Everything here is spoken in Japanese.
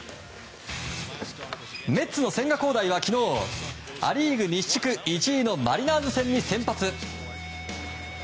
メッツの千賀滉大は昨日ア・リーグ西地区１位のマリナーズ戦に先発。